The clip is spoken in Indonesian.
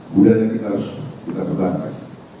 budaya yang kita harus kita pertahankan